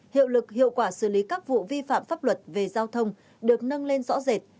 hiệu lực hiệu quả xử lý các vụ vi phạm pháp luật về giao thông được nâng lên rõ rệt